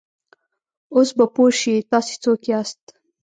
اوس به پوه شې، تاسې څوک یاست؟